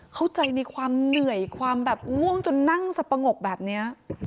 เข้าใจในความเหนื่อยความแบบง่วงจนนั่งสปงกแบบนี้